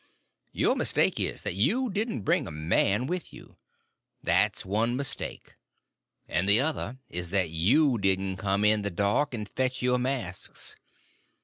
Your mistake is, that you didn't bring a man with you; that's one mistake, and the other is that you didn't come in the dark and fetch your masks.